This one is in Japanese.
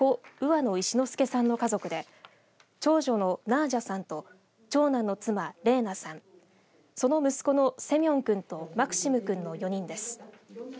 上野石之助さんの家族で長女のナージャさんと長男の妻、レーナさんその息子のセミョン君とマクシム君の４人です。